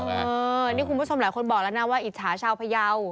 นี่คุณผู้ชมหลายคนบอกแล้วนะว่าอิจฉาชาวพยาว